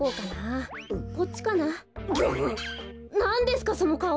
なんですかそのかお。